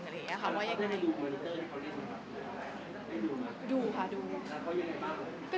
เขาได้ดูเมอร์นิเตอร์เขาได้ดูหรือเปล่า